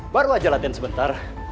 baru aja latihan sebentar